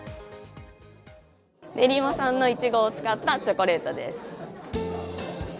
練馬産のイチゴを使ったチョコレートです。